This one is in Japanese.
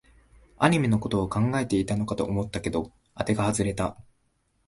アニメのことを考えていたのかと思ったけど、あてが外れた